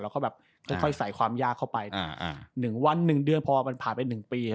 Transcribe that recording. แล้วก็แบบค่อยใส่ความยากเข้าไป๑วัน๑เดือนพอมันผ่านไป๑ปี